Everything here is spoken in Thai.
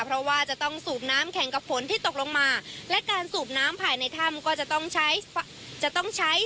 เพราะว่าจะต้องสูบน้ำแข่งกับฝนที่ตกลงมาและการสูบน้ำภายในถ้ำก็จะต้องใช้จะต้องใช้